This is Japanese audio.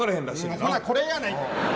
ほなこれやないか。